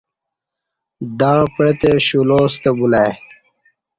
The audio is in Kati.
دں پعتے شولستہ بُلہ ای